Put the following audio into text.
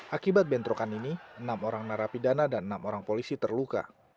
akibat bentrokan ini enam orang narapidana dan enam orang polisi terluka